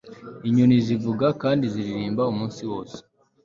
inyoni zivuga kandi ziririmba umunsi wose